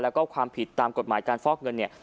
แล้วก็ความผิดตามกฎหมายการฟอกเงินเนี่ย